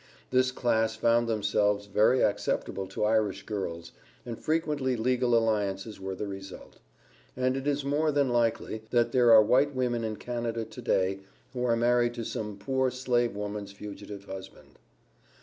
This class found themselves very acceptable to Irish girls, and frequently legal alliances were the result. And it is more than likely, that there are white women in Canada to day, who are married to some poor slave woman's fugitive husband.